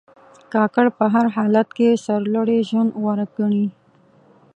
کاکړ په هر حالت کې سرلوړي ژوند غوره ګڼي.